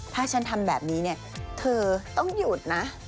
ถ้าทำแบบนี้ก็ค่อยต้องหยุดนะ